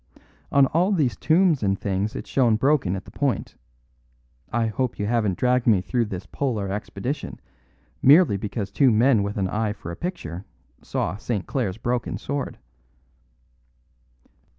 On all these tombs and things it's shown broken at the point. I hope you haven't dragged me through this Polar expedition merely because two men with an eye for a picture saw St. Clare's broken sword."